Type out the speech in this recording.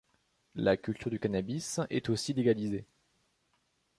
La culture du cannabis est aussi légalisée.